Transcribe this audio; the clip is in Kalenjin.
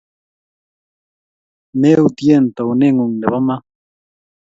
meutie taune ngumg Nepo iman